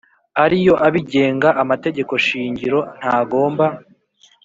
ariyo abigenga Amategeko shingiro ntagomba